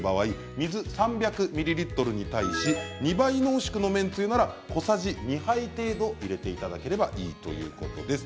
水３００ミリリットルに対して２倍濃縮の麺つゆなら小さじ２杯程度入れていただければいいということなんです。